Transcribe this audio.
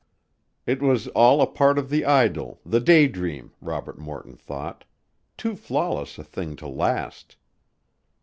It was all a part of the idyl, the daydream, Robert Morton thought, too flawless a thing to last.